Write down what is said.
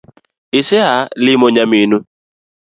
Isea limo nyaminu